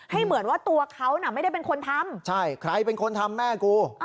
ให้เหมือนว่าตัวเค้าไม่ได้เป็นคนทำใครเป็นคนทำแม่กู